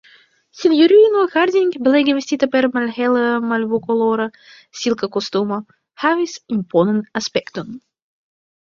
Sinjorino Harding, belege vestita per malhele malvokolora, silka kostumo, havis imponan aspekton.